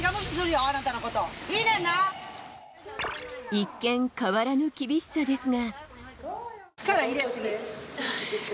一見変わらぬ厳しさですが。